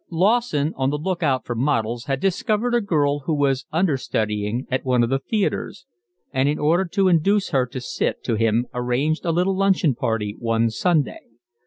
Lawson, on the lookout for models, had discovered a girl who was understudying at one of the theatres, and in order to induce her to sit to him arranged a little luncheon party one Sunday.